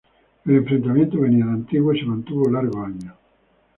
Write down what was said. El enfrentamiento venía de antiguo, y se mantuvo largos años.